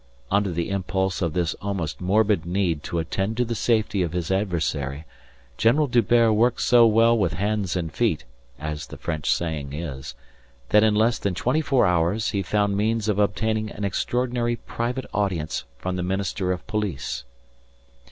Under the impulse of this almost morbid need to attend to the safety of his adversary General D'Hubert worked so well with hands and feet (as the French saying is) that in less than twenty four hours he found means of obtaining an extraordinary private audience from the Minister of Police.